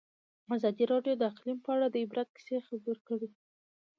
ازادي راډیو د اقلیم په اړه د عبرت کیسې خبر کړي.